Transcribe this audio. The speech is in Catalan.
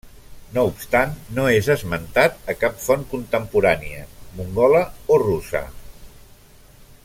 No obstant no és esmentat a cap font contemporània, mongola o russa.